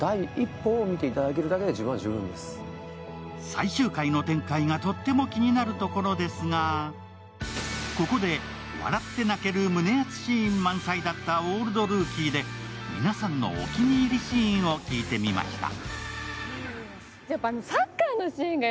最終回の展開がとっても気になるところですがここで笑って泣ける胸熱シーン満載だった「オールドルーキー」で皆さんのお気に入りシーンを聞いてみました。